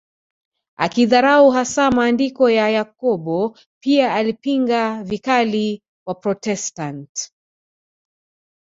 Akidharau hasa maandiko ya Yakobo pia alipinga vikali Waprotestant